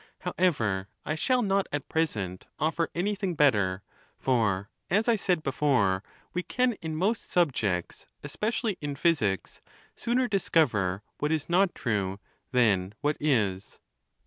However, I shall not at present offer anything bet ter; for, as I said before, we can in most subjects, especially in physics, sooner discover what is not true than what is.